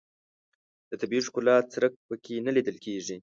د طبیعي ښکلا څرک په کې نه لیدل کېږي.